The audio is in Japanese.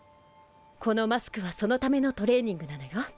このマスクはそのためのトレーニングなのよ。